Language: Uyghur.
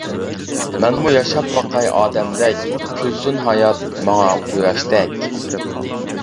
مەنمۇ ياشاپ باقاي ئادەمدەك، كۈلسۇن ھايات ماڭا قۇياشتەك.